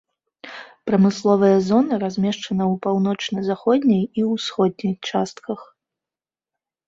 Прамысловая зона размешчана ў паўночна-заходняй і ўсходняй частках.